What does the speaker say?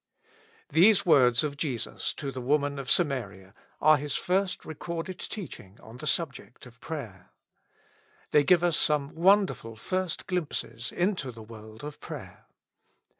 THESE words of Jesus to the woman of Samaria are His first recorded teaching on the subject of prayer. They give us some wonderful first gUmpses into the world of prayer.